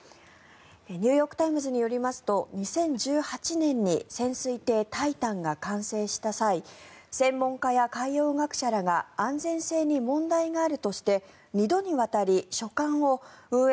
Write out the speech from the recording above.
ニューヨーク・タイムズによりますと２０１８年に潜水艇「タイタン」が完成した際専門家や海洋学者らが安全性に問題があるとして２度にわたり書簡を運営